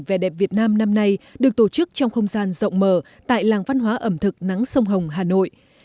vẻ đẹp việt nam năm nay được tổ chức trong không gian rộng mở tại làng văn hóa ẩm thực nắng sông hồng hà nội